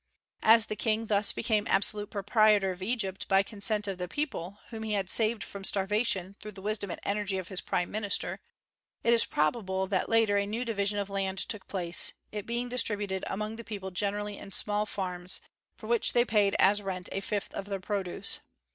As the King thus became absolute proprietor of Egypt by consent of the people, whom he had saved from starvation through the wisdom and energy of his prime minister, it is probable that later a new division of land took place, it being distributed among the people generally in small farms, for which they paid as rent a fifth of their produce.